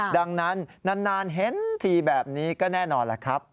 ดังนั้นนานเห็นทีแบบนี้ก็แน่นอนแหละครับ